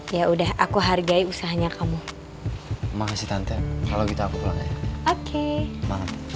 ya udah aku hargai usahanya kamu makasih tante kalau gitu aku pulang ya oke ya hati hati ya ganteng dah